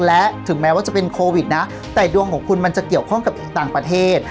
และถึงแม้ว่าจะเป็นโควิดนะแต่ดวงของคุณมันจะเกี่ยวข้องกับต่างประเทศ